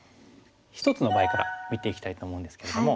１つの場合から見ていきたいと思うんですけれども。